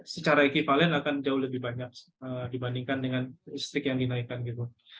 secara ekivalen akan jauh lebih banyak dibandingkan dengan listrik yang dinaikkan gitu